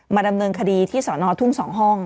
ดำเนินคดีที่สอนอทุ่ง๒ห้อง